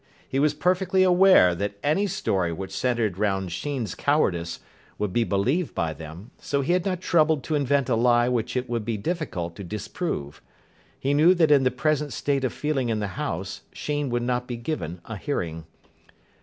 He was perfectly aware that any story which centred round Sheen's cowardice would be believed by them, so he had not troubled to invent a lie which it would be difficult to disprove. He knew that in the present state of feeling in the house Sheen would not be given a hearing.